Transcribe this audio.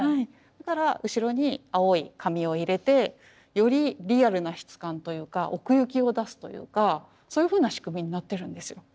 だから後ろに青い紙を入れてよりリアルな質感というか奥行きを出すというかそういうふうな仕組みになってるんです。